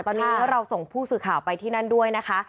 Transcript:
ตอนนี้เราส่งผู้สื่อข่าวไปที่นั่นด้วยนะคะ